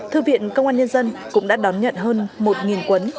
thư viện công an nhân dân cũng đã đón nhận hơn một cuốn